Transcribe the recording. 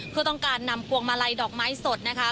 เพื่อต้องการนำพวงมาลัยดอกไม้สดนะคะ